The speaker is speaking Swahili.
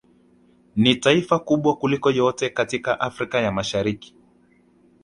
Ni taifa kubwa kuliko yote katika Afrika ya mashariki